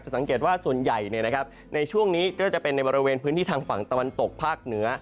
สังเกตว่าส่วนใหญ่ในช่วงนี้ก็จะเป็นในบริเวณพื้นที่ทางฝั่งตะวันตกภาคเหนือ